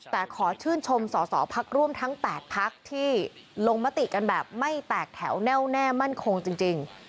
แต่ขอชื่นชมสอสอพักร่วมทั้ง๘พักที่ลงมติกันแบบไม่แตกแถวแน่วแน่มั่นคงจริง